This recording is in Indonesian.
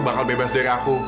bakal bebas dari aku